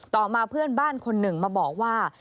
ต่อมาเพื่อนบ้านคนหนึ่งมาบอกว่า